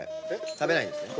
食べないんですよね？